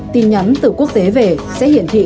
khi nhắn từ quốc tế về sẽ hiển thị